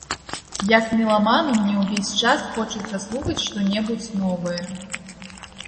Як меламану, мне ўвесь час хочацца слухаць што-небудзь новае.